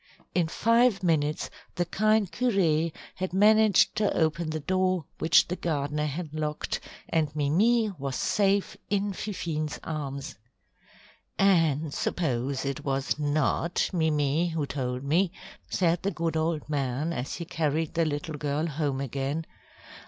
In five minutes the kind curé had managed to open the door which the gardener had locked, and Mimi was safe in Fifine's arms. "And suppose it was not Mimi who told me?" said the good old man as he carried the little girl home again.